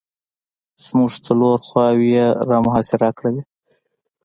زموږ څلور خواوې یې را محاصره کړلې.